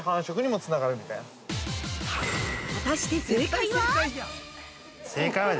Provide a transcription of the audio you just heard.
◆果たして正解は？